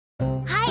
はい！